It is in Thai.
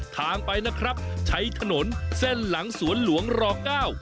ทางไปนะครับใช้ถนนเส้นหลังสวนหลวงรอเก้า